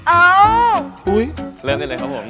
อ้าวอุ๊ยเริ่มได้เลยครับผม